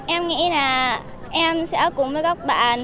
em nghĩ là em sẽ cùng với các bạn